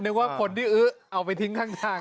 ว่าคนที่อื้อเอาไปทิ้งข้างทาง